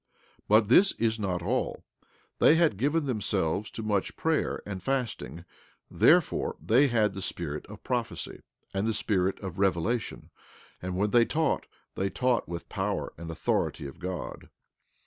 17:3 But this is not all; they had given themselves to much prayer, and fasting; therefore they had the spirit of prophecy, and the spirit of revelation, and when they taught, they taught with power and authority of God.